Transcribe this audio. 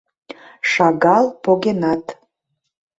— Шагал погенат.